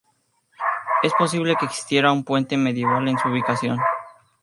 Es posible que existiera un puente medieval en su ubicación.